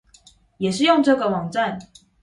也是用這個網站